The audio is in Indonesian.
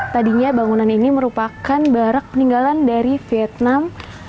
tadinya bangunan ini merupakan barak peninggalan dari vietnam seribu sembilan ratus tujuh puluh tujuh